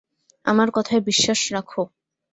আমার কথায় বিশ্বাস রাখো।